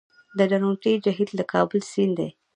د درونټې جهیل د کابل سیند دی